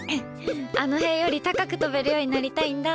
あの塀より高く跳べるようになりたいんだ。